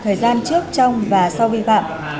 thời gian trước trong và sau vi phạm